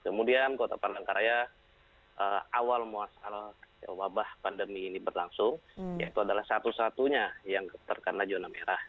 kemudian kota palangkaraya awal muasal wabah pandemi ini berlangsung yaitu adalah satu satunya yang terkena zona merah